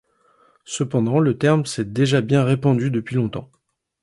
Cependant, le terme s'est déjà bien répandu depuis longtemps.